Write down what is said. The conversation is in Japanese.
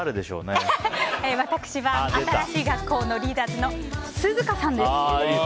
私は新しい学校のリーダーズのＳＵＺＵＫＡさんです。